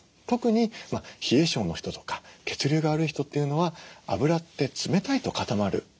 特に冷え症の人とか血流が悪い人っていうのは脂って冷たいと固まる。